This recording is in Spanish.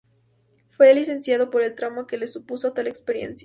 Fue licenciado por el trauma que le supuso tal experiencia.